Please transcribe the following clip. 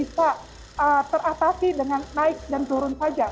kita eee teratasi dengan naik dan turun saja